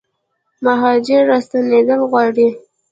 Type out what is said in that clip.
مهاجر راستنیدل غواړي